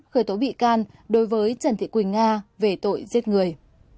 khởi tố bị can đối với trần thị quỳnh nga về tội giết người